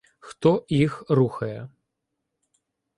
Хто їх рухає?